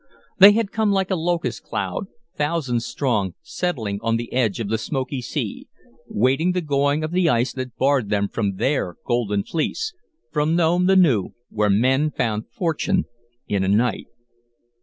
They had come like a locust cloud, thousands strong, settling on the edge of the Smoky Sea, waiting the going of the ice that barred them from their Golden Fleece from Nome the new, where men found fortune in a night.